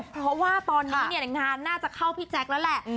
เพราะว่าตอนนี้เนี่ยงานน่าจะเข้าพี่แจ๊คแล้วแหละ